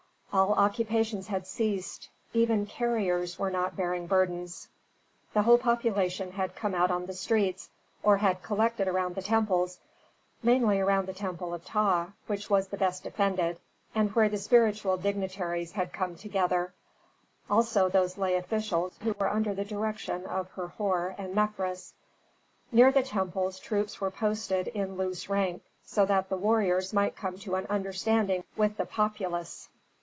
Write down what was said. All occupations had ceased; even carriers were not bearing burdens. The whole population had come out on the streets, or had collected around the temples, mainly around the temple of Ptah, which was the best defended, and where the spiritual dignitaries had come together, also those lay officials who were under the direction of Herhor and Mefres. Near the temples troops were posted in loose rank, so that the warriors might come to an understanding with the populace.